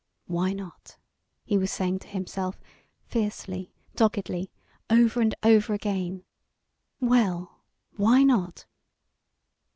Why not? he was saying to himself fiercely, doggedly. Over and over again Well, why not?